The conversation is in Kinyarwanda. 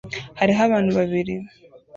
Hariho abantu babiri